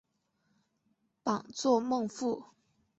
榜作孟富。